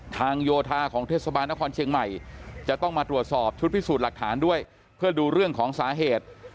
โยธาของเทศบาลนครเชียงใหม่จะต้องมาตรวจสอบชุดพิสูจน์หลักฐานด้วยเพื่อดูเรื่องของสาเหตุ